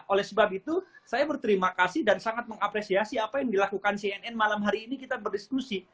oleh sebab itu saya berterima kasih dan sangat mengapresiasi apa yang dilakukan cnn malam hari ini kita berdiskusi